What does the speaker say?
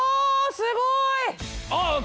すごい！